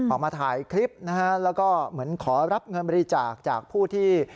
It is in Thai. ออกมาถ่ายคลิปนะฮะแล้วก็เหมือนขอรับเงินบริจาคจากผู้ที่